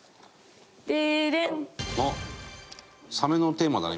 「デーデン」あっサメのテーマだね